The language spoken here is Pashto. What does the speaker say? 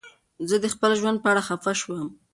زه د خپل ژوند په اړه خفه شوم.